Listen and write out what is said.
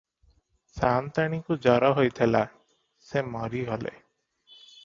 ସାଆନ୍ତାଣୀଙ୍କୁ ଜର ହୋଇଥିଲା, ସେ ମରିଗଲେ ।